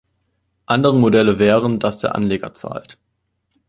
Andere Modelle wären, dass der Anleger zahlt.